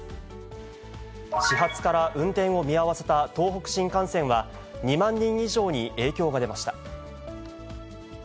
始発から運転を見合わせた東北新幹線は、２万人以上に影響が出ました。